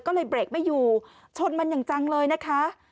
ก็เลยเบรกไม่อยู่ชนมันอย่างจังเลยนะคะ